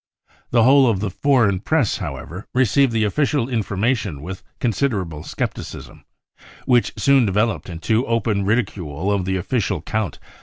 The whole of the foreign Press, however, received the official information with considerable scepticism, which soon developed into open ridicule of the official account.